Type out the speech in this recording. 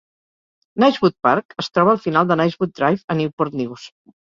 Nicewood Park es troba al final de Nicewood Drive a Newport News.